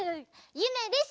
ゆめです！